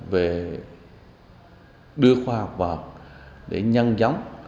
về đưa khoa học vào để nhân giống